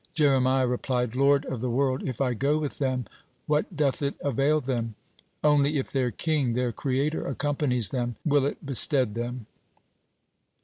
Jeremiah replied: "Lord of the world, if I go with them, what doth it avail them? Only if their King, their Creator accompanies them, will it bestead them."